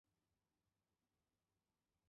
圣布朗卡尔。